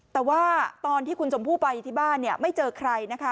แต่ว่าตอนที่คุณชมพู่ไปที่บ้านเนี่ยไม่เจอใครนะคะ